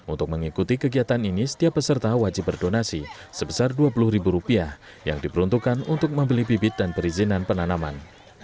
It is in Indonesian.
untuk mengikuti kegiatan ini setiap peserta wajib berdonasi sebesar dua puluh ribu rupiah yang diperuntukkan untuk membeli bibit dan perizinan penanaman